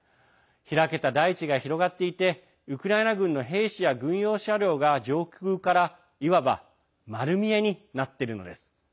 開けた大地が広がっていてウクライナ軍の兵士や軍用車両が上空から、いわば丸見えになっているのです。